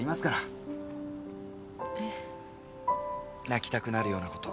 泣きたくなるようなこと。